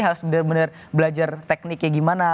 harus benar benar belajar tekniknya gimana